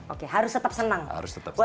oke harus tetap senang